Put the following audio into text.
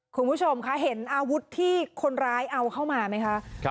คุณผู้ชมคะเห็นอาวุธที่คนร้ายเอาเข้ามาไหมคะ